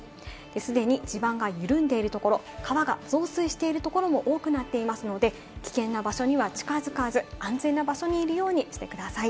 既に地盤が緩んでいるところ、川が増水しているところも多くなっていますので、危険な場所には近づかず、安全な場所にいるようにしてください。